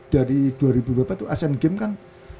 dari dua ribu berapa tuh asian games kan